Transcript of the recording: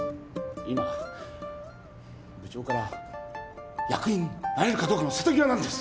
今部長から役員になれるかどうかの瀬戸際なんです。